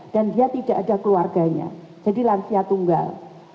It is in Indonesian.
dia tidak ada keluarganya jadi lansia tunggal